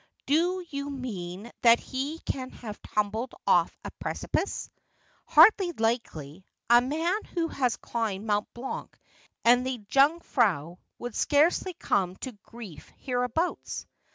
' Do you mean that he can have tumbled ofiE a precipice ? Hardly likely. A man who has climbed Mont Blanc and the Jungf rau would scarcely come to grief hereabouts.